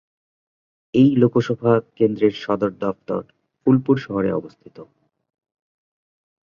এই লোকসভা কেন্দ্রের সদর দফতর ফুলপুর শহরে অবস্থিত।